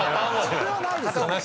それはないですよ。